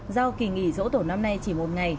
do kỳ nghỉ dỗ tổ năm nay chỉ một ngày